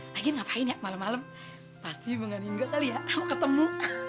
lagian ngapain ya malem malem pasti mengandung gue kali ya mau ketemu